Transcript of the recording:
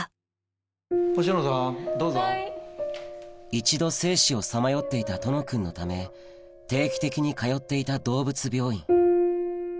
一度生死をさまよっていた殿くんのため定期的に通っていた動物病院